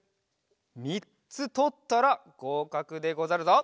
みっつとったらごうかくでござるぞ。